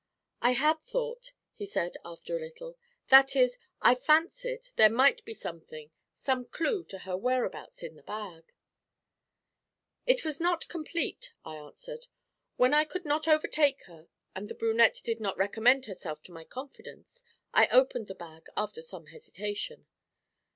'I had thought,' he said after a little, 'that is, I fancied there might be something some clue to her whereabouts in the bag.' 'It was not complete,' I answered. 'When I could not overtake her, and the brunette did not recommend herself to my confidence, I opened the bag, after some hesitation.'